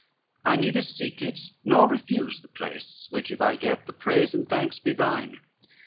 XV "I neither seek it nor refuse the place, Which if I get, the praise and thanks be thine."